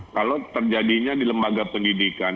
kalau terjadinya di lembaga pendidikan